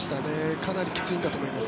かなりきついんだと思います。